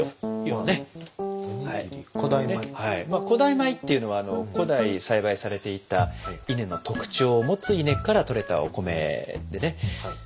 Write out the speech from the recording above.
古代米っていうのは古代に栽培されていたイネの特徴を持つイネからとれたお米でね。